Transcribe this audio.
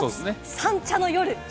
三茶の夜。